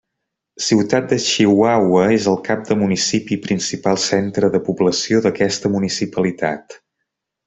Ciutat de Chihuahua és el cap de municipi i principal centre de població d'aquesta municipalitat.